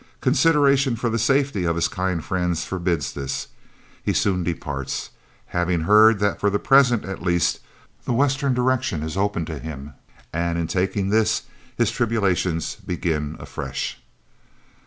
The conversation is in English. Consideration for the safety of his kind friends forbids this. He soon departs, having heard that, for the present at least, the western direction is open to him, and, in taking this, his tribulations begin afresh.